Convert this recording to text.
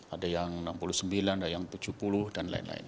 ada yang enam puluh sembilan ada yang tujuh puluh dan lain lain